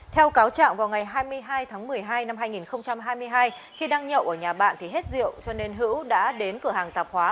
theo cáo trạng vào ngày hai mươi hai tháng một mươi hai năm hai nghìn hai mươi hai khi đang nhậu ở nhà bạn thì hết rượu cho nên hữu đã đến cửa hàng tạp hóa